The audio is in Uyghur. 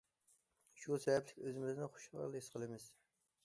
شۇ سەۋەبلىك ئۆزىمىزنى خۇشال ھېس قىلىمىز.